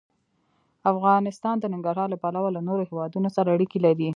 افغانستان د ننګرهار له پلوه له نورو هېوادونو سره اړیکې لري.